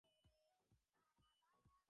তিনি ছিলেন পুরোদস্তুর বাস্তববাদী এবং বস্তুবাদী।